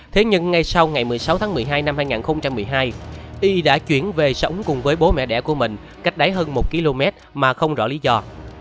thế nhưng ngay sau ngày một mươi sáu tháng một mươi hai năm hai nghìn một mươi hai y đã chuyển về sống cùng với bố mẹ đẻ của mình cách đáy hơn một km mà không rõ lý do